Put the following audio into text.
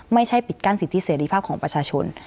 ไม่ใช่ปิดกั้นสิทธิเสรีภาพของประชาชน